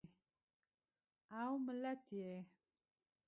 او ملت یې